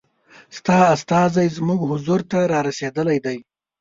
ستا استازی زموږ حضور ته را رسېدلی دی.